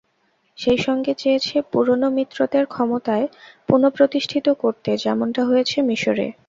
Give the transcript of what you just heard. সেই সঙ্গে চেয়েছে পুরোনো মিত্রদের ক্ষমতায় পুনঃপ্রতিষ্ঠিত করতে, যেমনটা হয়েছে মিসরে।